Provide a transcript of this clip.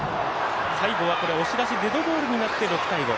最後は押し出しデッドボールになって６対５。